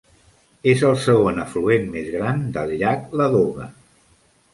És el segon afluent més gran del llac Ladoga.